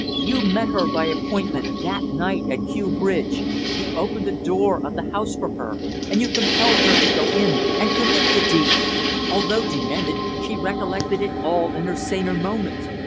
You met her by appointment that night at Kew Bridge. You opened the door of the house for her, and you compelled her to go in and commit the deed. Although demented, she recollected it all in her saner moments.